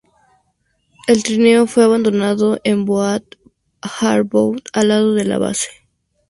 El trineo fue abandonado en Boat Harbour, al lado de la base.